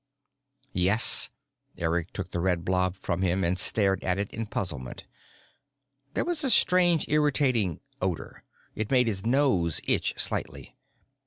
"Yes." Eric took the red blob from him and stared at it in puzzlement. There was a strange, irritating odor: it made his nose itch slightly.